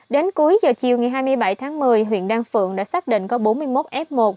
đến cuối giờ chiều ngày hai mươi bảy tháng một mươi huyện đan phượng đã xác định có bốn mươi một f một